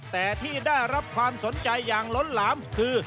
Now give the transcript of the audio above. แต่ที่ได้รับความสนใจอย่างล้นหลามคือ